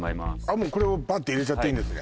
もうこれをバッて入れちゃっていいんですね？